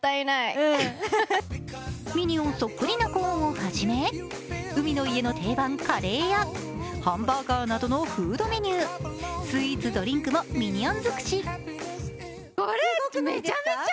ミニオンそっくりなコーンをはじめ、海の家の定番、カレーやハンバーガーなどのフードメニュー、スイーツ、ドリンクもミニオン尽くし。